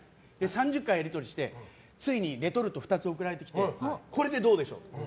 ３０回やり取りしてついにレトルトが２つ送られてきてこれでどうでしょう？って。